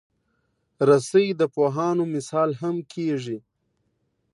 رسۍ د پوهانو مثال هم کېږي.